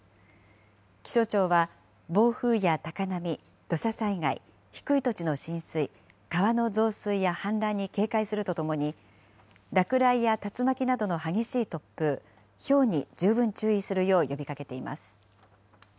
気象庁は、暴風や高波、土砂災害、低い土地の浸水、川の増水や氾濫に警戒するとともに、落雷や竜巻などの激しい突風、ひょうに十分注意するよう呼びかけています。